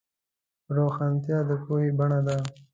روښانتیا د پوهې بڼه ده.